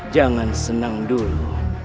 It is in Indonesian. jangan senang dulu